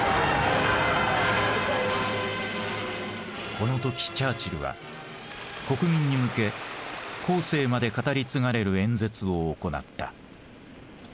この時チャーチルは国民に向け後世まで語り継がれる演説を行った。